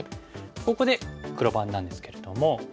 ここで黒番なんですけれども。